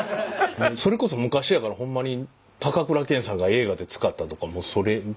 それこそ昔やからホンマに高倉健さんが映画で使ったとかもうそれ。